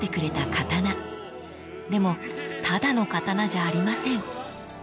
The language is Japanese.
［でもただの刀じゃありません］